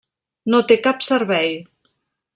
No té cap servei.